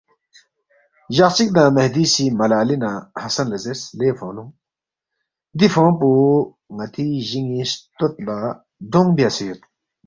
جق چک نہ مہدی سی ملا علی نہ حسن لا زیرس لے فونونگ دی فونگ پو ناتی جینی ستود لا ڈونگ بیاسے یود